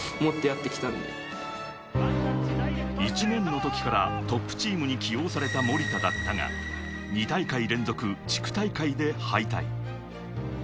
１年の時からトップチームに起用された森田だったが、２大会連続、地区大会で敗退。